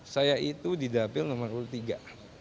saya itu di dapil nomor urut tiga